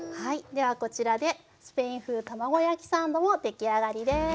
ではこちらでスペイン風卵焼きサンドも出来上がりです。